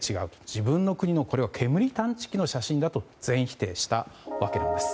自分の国の煙探知機の写真だと全否定したわけなんです。